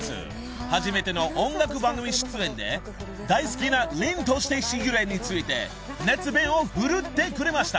初めての音楽番組出演で大好きな凛として時雨について熱弁を振るってくれました］